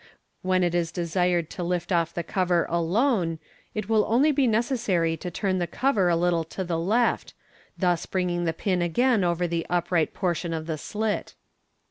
When it is desired to lift off the cover alone, it will onl> be necessary to turn the cover a little to the left, thus bringing the '"in again over the upright portion of the sftt.